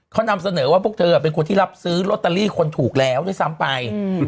เขานำเสนอว่าพวกเธอเป็นคนที่รับซื้อลอตเตอรี่คนถูกแล้วด้วยซ้ำไป